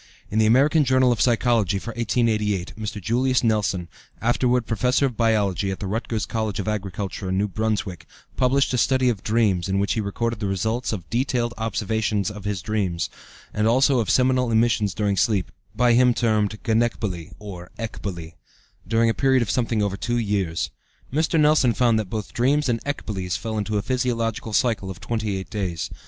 In the American Journal of Psychology for 1888, Mr. Julius Nelson, afterward Professor of Biology at the Rutgers College of Agriculture, New Brunswick, published a study of dreams in which he recorded the results of detailed observations of his dreams, and also of seminal emissions during sleep (by him termed "gonekbole" or "ecbole"), during a period of something over two years. Mr. Nelson found that both dreams and ecboles fell into a physiological cycle of 28 days.